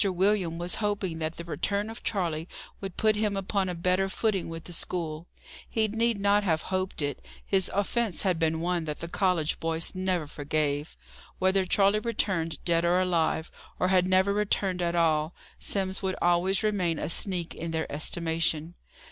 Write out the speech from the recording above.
William was hoping that the return of Charley would put him upon a better footing with the school. He need not have hoped it: his offence had been one that the college boys never forgave. Whether Charley returned dead or alive, or had never returned at all, Simms would always remain a sneak in their estimation.